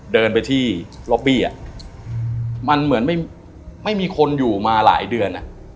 เดินไปที่ล็อบบี้มันเหมือนไม่มีคนอยู่มาหลายเดือน